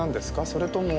それとも。